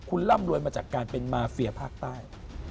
คุณร่ำรวยมาจากการเป็นมาเฟียภาคใต้